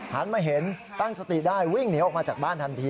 หันมาเห็นตั้งสติได้วิ่งหนีออกมาจากบ้านทันที